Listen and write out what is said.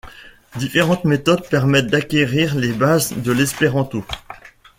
Différentes méthodes permettent d'acquérir les bases de l'espéranto.